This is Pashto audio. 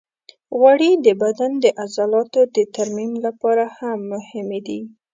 غوړې د بدن د عضلاتو د ترمیم لپاره هم مهمې دي.